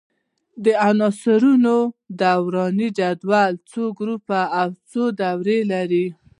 د عنصرونو دوراني جدول څو ګروپونه او څو دورې لري؟